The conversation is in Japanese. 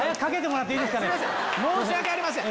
申し訳ありません。